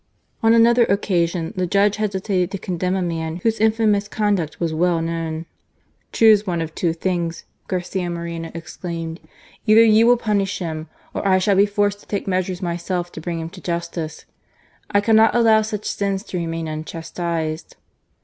On another occasion the judge hesitated to condemn a man whose infamous conduct was well known. " Choose one of two things," Garcia Moreno ex claimed ;" either you will punish him, or I shall be forced to take measures myself to bring him to justice. I cannot allow such sins to remain unchas tised."